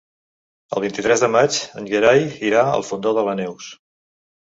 El vint-i-tres de maig en Gerai irà al Fondó de les Neus.